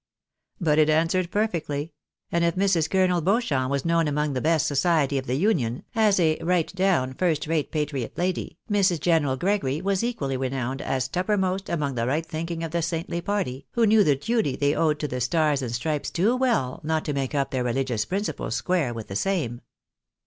But it answered perfectly; and if INIrs. Colonel Beauchamp was known among the best society of the Union, as a right down, first rate patriot lady, Mrs. General Gregory was equally renowned as toppermost among the right thinking of the saintly party, who knew the duty they owed to the Stars and the Stripes too well not to make up their religious principles square with the same.